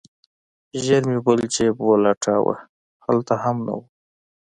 ژر مې بل جيب ولټاوه هلته هم نه و.